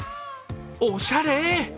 おしゃれ。